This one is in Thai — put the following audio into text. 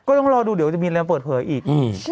ก็ต้องรอดูเดี๋ยวจะมีเรื่องเปิดเผลออีก